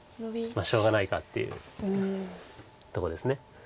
まあしょうがないかっていうとこです。